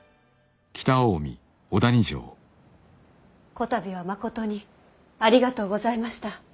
こたびはまことにありがとうございました。